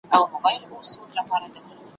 زموږ پلار پدغه کار سره په ښکاره خطا کي دی.